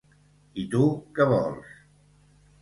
I tu, què vols?